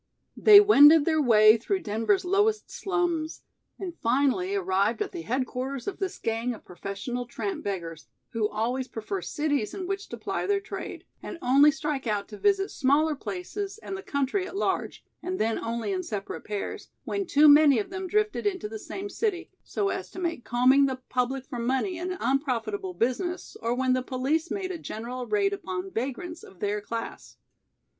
They wended their way through Denver's lowest slums and finally arrived at the headquarters of this gang of professional tramp beggars, who always prefer cities in which to ply their trade, and only strike out to visit smaller places and the country at large and then only in separate pairs when too many of them drifted into the same city, so as to make combing the public for money an unprofitable business, or when the police made a general raid upon vagrants of their class.